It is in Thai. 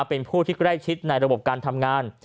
เป็นผู้ที่ใกล้ชิดในระบบการทำงาน